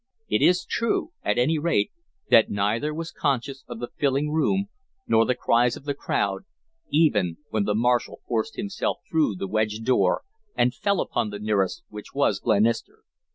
It is true, at any rate, that neither was conscious of the filling room, nor the cries of the crowd, even when the marshal forced himself through the wedged door and fell upon the nearest, which was Glenister.